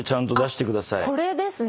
これですね。